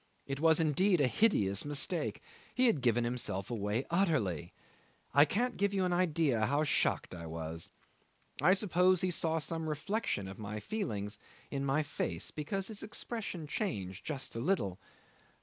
It was, indeed, a hideous mistake; he had given himself away utterly. I can't give you an idea how shocked I was. I suppose he saw some reflection of my feelings in my face, because his expression changed just a little.